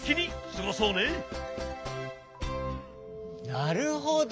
なるほど。